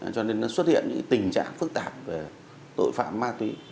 cho nên nó xuất hiện những tình trạng phức tạp về tội phạm ma túy